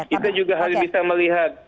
kita juga harus bisa melihat